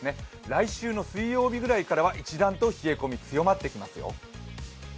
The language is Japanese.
来週の水曜日ぐらいからは一段と冷え込み強まってきますよ。